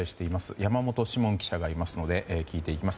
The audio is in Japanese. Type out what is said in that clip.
山本志門記者がいますので聞いていきます。